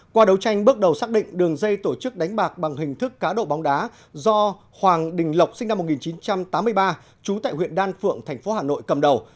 qua đấu tranh bước đầu xác định đường dây tổ chức đánh bạc bằng hình thức cá độ bóng đá do hoàng đình lộc sinh năm một nghìn chín trăm tám mươi ba trú tại huyện đan phượng thành phố hà nội cầm đầu